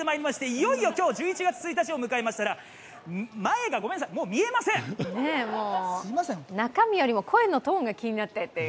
いよいよ今日、１１月１日を迎えましたら前がごめんなさい、もう見えません中身よりも声のトーンが気になって。